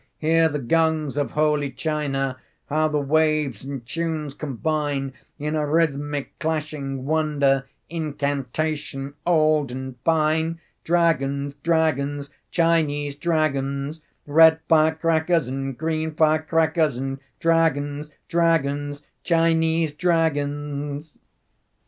Hear the gongs of holy China How the waves and tunes combine In a rhythmic clashing wonder, Incantation old and fine: 'Dragons, dragons, Chinese dragons, Red fire crackers, and green fire crackers, And dragons, dragons, Chinese dragons.'"